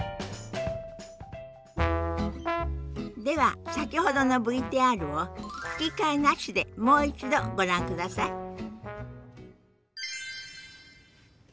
では先ほどのＶＴＲを吹き替えなしでもう一度ご覧ください。